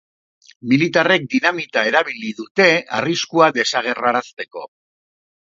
Militarrek dinamita erabili dute arriskua desagerrarazteko.